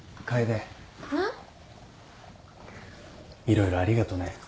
色々ありがとね。